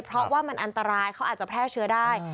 เพราะว่ามันอันตรายเขาอาจจะแพร่เชื้อได้